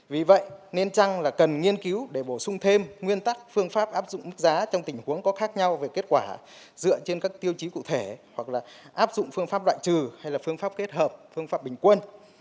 vì vậy nên chăng là cần nghiên cứu để bổ sung thêm nguyên tắc phương pháp áp dụng mức giá trong tình huống có khác nhau về kết quả dựa trên các tiêu chí cụ thể hoặc là áp dụng phương pháp loại trừ hay là phương pháp kết hợp phương pháp bình quân